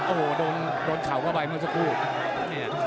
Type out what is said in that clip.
โอ้โหโดนข่าวเข้าไปไม่สักคน